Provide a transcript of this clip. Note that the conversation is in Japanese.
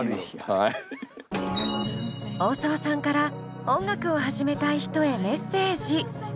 大沢さんから音楽を始めたい人へメッセージ。